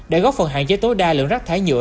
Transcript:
để góp phần hạn chế tối đa lượng rác thải nhựa